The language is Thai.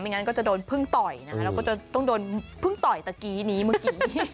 งั้นก็จะโดนพึ่งต่อยนะแล้วก็จะต้องโดนเพิ่งต่อยตะกี้นี้เมื่อกี้